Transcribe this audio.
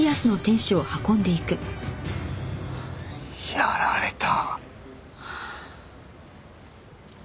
やられた。